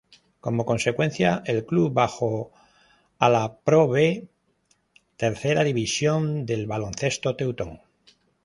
Como consecuencia el club bajó a la Pro B, tercera división del baloncesto teutón.